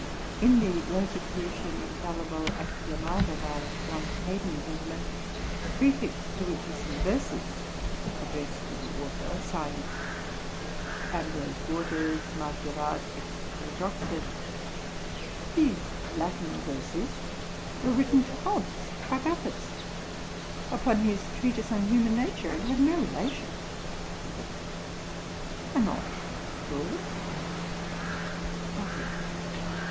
'_ In The Rosicrucian infallible Axiomata, by John Heydon, Gent., prefixed to which are some verses addressed to the authour, signed Ambr. Waters, A.M. Coll. Ex. Oxon. '_These Latin verses were written to Hobbes by Bathurst, upon his Treatise on Human Nature, and have no relation to the book. An odd fraud_.' BOSWELL.